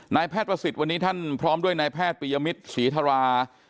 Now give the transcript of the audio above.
นายแพทย์ประสิทธิ์วันนี้ท่านพร้อมด้วยนายแพทย์ปียมิตรศรีธรา